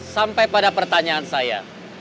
sampai pada pertanyaan saya